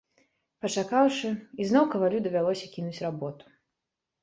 Пачакаўшы, ізноў кавалю давялося кінуць работу.